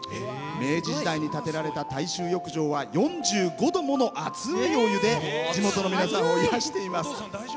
明治時代に建てられた大衆浴場は４５度の熱いお湯で地元の皆さんを癒やしています。